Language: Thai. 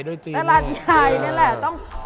รอที่จะมาอัปเดตผลงานแล้วก็เข้าไปโด่งดังไกลถึงประเทศจีน